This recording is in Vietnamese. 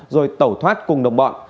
rồi tẩu thoát cùng đồng bọn